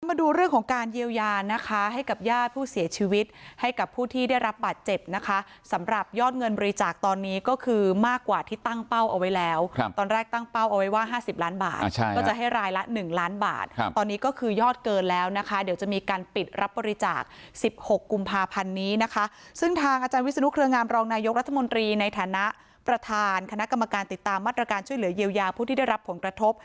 มาดูเรื่องของการเยียวยานะคะให้กับญาติผู้เสียชีวิตให้กับผู้ที่ได้รับบัตรเจ็บนะคะสำหรับยอดเงินบริจาคตอนนี้ก็คือมากกว่าที่ตั้งเป้าเอาไว้แล้วตอนแรกตั้งเป้าเอาไว้ว่าห้าสิบล้านบาทก็จะให้รายละหนึ่งล้านบาทตอนนี้ก็คือยอดเกินแล้วนะคะเดี๋ยวจะมีการปิดรับบริจาคสิบหกกุมภาพันนี้นะคะซึ่งทาง